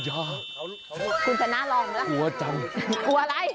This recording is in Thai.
อ้าวคุณจะน่ารองหรือเปล่าหัวจำหัวอะไร